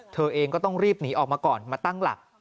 เธอเองก็ต้องรีบหนีออกมาก่อนมาตั้งหลัก